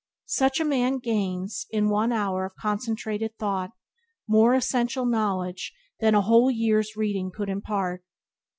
Such a man gains, in one hour of concentrated thought, more essential knowledge than a whole year's reading could impart.